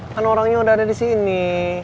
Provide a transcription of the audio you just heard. kan orangnya udah ada di sini